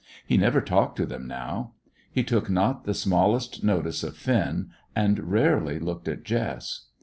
He never talked to them now. He took not the smallest notice of Finn, and but rarely looked at Jess.